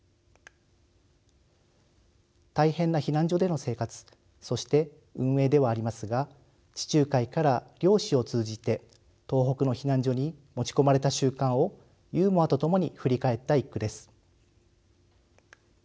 大変な避難所での生活そして運営ではありますが地中海から漁師を通じて東北の避難所に持ち込まれた習慣をユーモアと共に振り返った一句です。